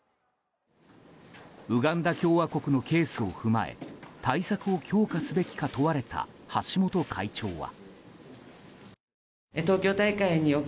ウガンダ共和国のケースを踏まえ対策を強化すべきか問われた橋本会長は。